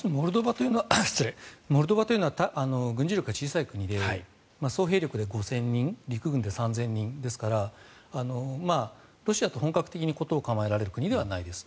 まずモルドバというのは軍事力が小さい国で総兵力で５０００人陸軍で３０００人ですからロシアと本格的に事を構えられる国ではないです。